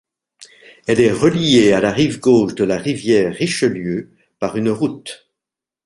Elle est reliée à la rive gauche de la rivière Richelieu par une route.